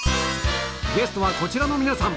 ゲストはこちらの皆さん